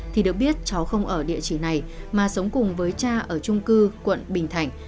thì được biết cháu không ở địa chỉ này mà sống cùng với cha ở trung cư quận bình thạnh